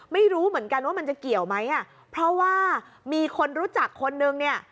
ไม่รู้เหมือนกันว่ามันจะเกี่ยวไหมอ่ะเพราะว่ามีคนรู้จักคนนึงเนี่ย